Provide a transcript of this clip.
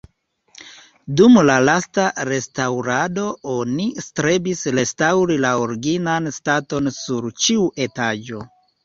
Dum la lasta restaŭrado oni strebis restaŭri la originan staton sur ĉiu etaĝo.